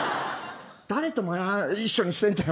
誰と一緒にしてんだよ